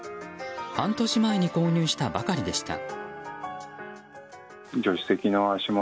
半年前に購入したばかりでした。